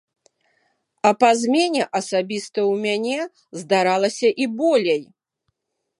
А па змене асабіста ў мяне здаралася і болей.